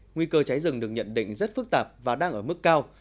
nguy cơ cháy rừng được nhận định rất phức tạp và đang ở mức cao